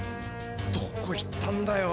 どこいったんだよ